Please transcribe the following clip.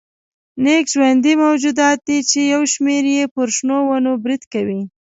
نکي ژوندي موجودات دي چې یو شمېر یې پر شنو ونو برید کوي.